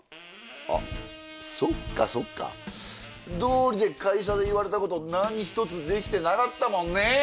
あっそっかそっかどうりで会社で言われたこと何ひとつできてなかったもんね？